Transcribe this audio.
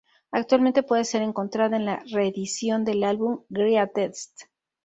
Actualmente puede ser encontrada en la reedición del álbum Greatest.